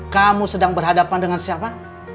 kamu sedang berhadapan dengan siapa